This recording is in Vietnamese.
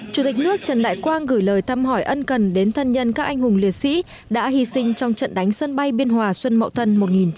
chủ tịch nước trần đại quang gửi lời thăm hỏi ân cần đến thân nhân các anh hùng liệt sĩ đã hy sinh trong trận đánh sân bay biên hòa xuân mậu thân một nghìn chín trăm bảy mươi